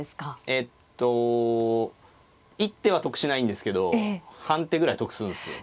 えっと一手は得しないんですけど半手ぐらい得するんですよ。